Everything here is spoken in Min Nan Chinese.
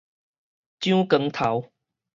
蔣光頭